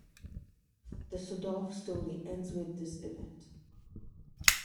The Sudhof story ends with this event.